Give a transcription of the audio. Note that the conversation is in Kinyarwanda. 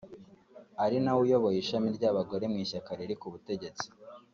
ari nawe uyoboye ishami ry’abagore mu ishyaka riri ku butegetsi